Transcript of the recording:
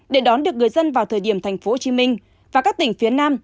để đón được người dân vào thời điểm tp hcm và các tỉnh phía nam